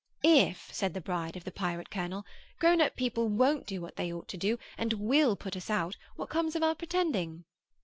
'If,' said the bride of the pirate colonel, 'grown up people WON'T do what they ought to do, and WILL put us out, what comes of our pretending?